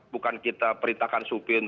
bukan kita perintahkan supin